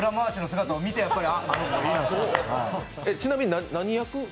ちなみに何役？